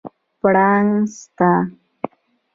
پړانګ سته؟